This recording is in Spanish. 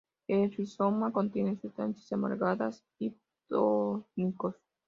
El rizoma contiene sustancias amargas y tónicos.